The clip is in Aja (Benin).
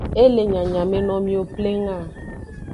E le nyanyameno miwo pleng a.